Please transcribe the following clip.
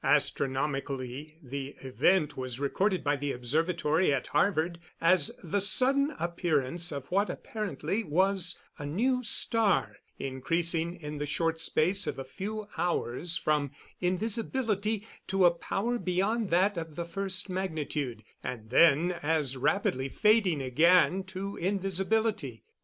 Astronomically, the event was recorded by the observatory at Harvard as the sudden appearance of what apparently was a new star, increasing in the short space of a few hours from invisibility to a power beyond that of the first magnitude, and then as rapidly fading again to invisibility.